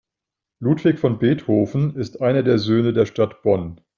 Ludwig van Beethoven ist einer der Söhne der Stadt Bonn.